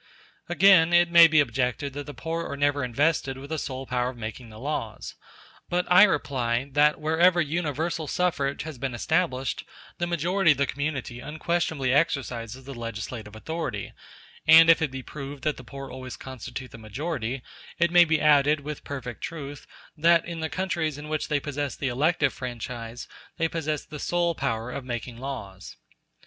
Again, it may be objected that the poor are never invested with the sole power of making the laws; but I reply, that wherever universal suffrage has been established the majority of the community unquestionably exercises the legislative authority; and if it be proved that the poor always constitute the majority, it may be added, with perfect truth, that in the countries in which they possess the elective franchise they possess the sole power of making laws.